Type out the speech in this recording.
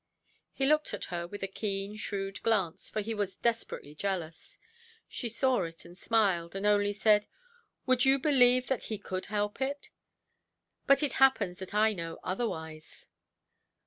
He looked at her with a keen, shrewd glance, for he was desperately jealous. She saw it, and smiled, and only said—"Would you believe that he could help it? But it happens that I know otherwise".